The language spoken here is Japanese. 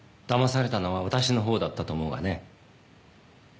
だまされたのは私の方だったと思うがね。